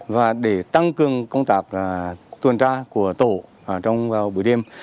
và để tăng cường công tác tuần tra của tổ trong vào buổi đêm